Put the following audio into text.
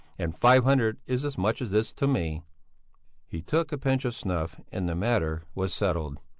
And five hundred is as much as this to me!" He took a pinch of snuff and the matter was settled.